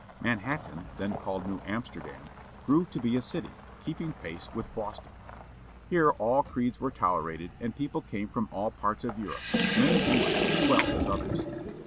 Manhattan, then called New Amsterdam, grew to be a city, keeping pace with Boston. Here all creeds were tolerated, and people came from all parts of Europe, many English as well as others.